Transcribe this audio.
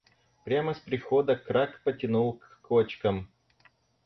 Прямо с прихода Крак потянул к кочкам.